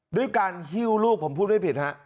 ด้วยการหิ้วลูกผมพูดไม่ผิดฮะ